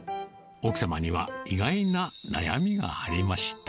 奥様には意外な悩みがありました。